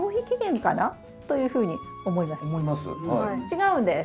違うんです。